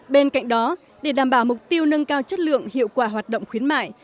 bên cạnh đó để đảm bảo mục tiêu nâng cao chất lượng hiệu quả hoạt động khuyến mại